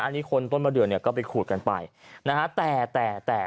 อันนี้คนต้นมะเดือเนี่ยก็ไปขูดกันไปนะฮะแต่แต่แต่